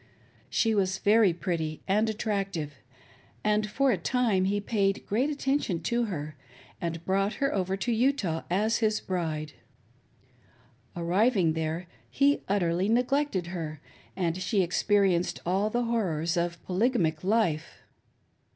She was very pretty and attractive, and for a time. he paid great attention to her, and brought her over to Utah as his bride. Arrived there he utterly neglected her, and she experienced all the horrors of polygamic life.